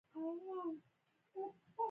که غواړئ ضمیمه زېنک واخلئ